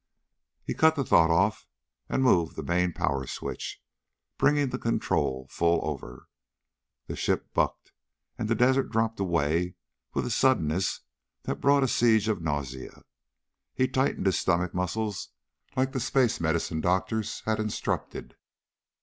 He cut the thought off and moved the main power switch, bringing the control full over. The ship bucked, and the desert dropped away with a suddenness that brought a siege of nausea. He tightened his stomach muscles like the space medicine doctors had instructed.